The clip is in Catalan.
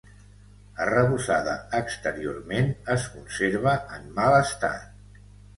Arrebossada exteriorment, es conserva en mal estat.